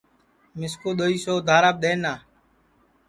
مِسکُو دؔوئی سو اُدھاراپ دؔئنا